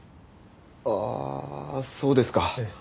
ああそうですか。